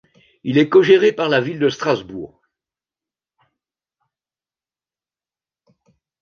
Il est cogéré par la ville de Strasbourg.